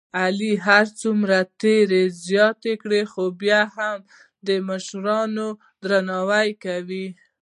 علی که هرڅومره تېره زیاته کوي، خوبیا هم د مشرانو درناوی لري.